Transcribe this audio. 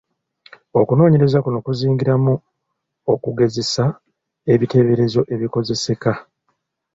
Okunoonyereza kuno kuzingiramu okugezesa ebiteeberezo ebikozeseka.